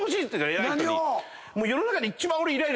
偉い人に。